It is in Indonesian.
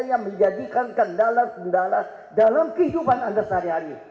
yang menjadikan kendala kendala dalam kehidupan anda sehari hari